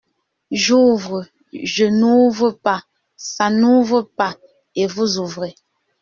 J’ouvre, je n’ouvre pas, ça n’ouvre pas, et vous ouvrez.